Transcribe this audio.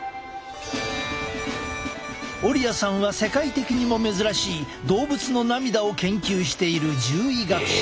オリアさんは世界的にも珍しい動物の涙を研究している獣医学者。